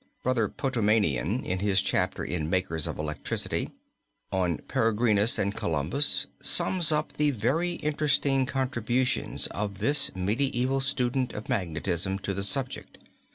Brother Potamian, in his chapter in "Makers of Electricity" (Fordham University Press, N. Y., 1909) on Peregrinus and Columbus, sums up the very interesting contributions of this medieval student of magnetism to the subject.